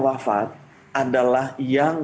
wafat adalah yang